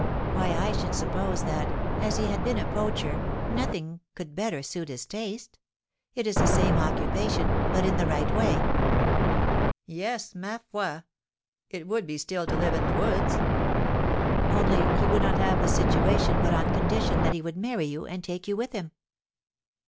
Why, I should suppose that, as he had been a poacher, nothing could better suit his taste; it is the same occupation, but in the right way." "Yes, ma foi! it would be still to live in the woods." "Only he would not have the situation but on condition that he would marry you, and take you with him."